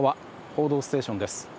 「報道ステーション」です。